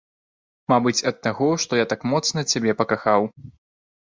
Мабыць, ад таго, што я так моцна цябе пакахаў.